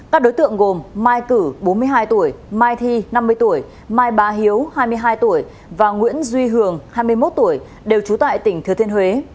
các đối tượng gồm mai cử bốn mươi hai tuổi mai thi năm mươi tuổi mai bà hiếu hai mươi hai tuổi và nguyễn duy hường hai mươi một tuổi đều trú tại tỉnh thừa thiên huế